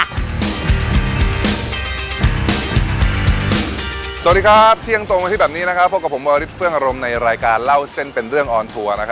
สวัสดีครับเที่ยงตรงอาทิตย์แบบนี้พบกับผมวาริสเฟื่องอารมณ์ในรายการเล่าเส้นเป็นเรื่องออนทัวร์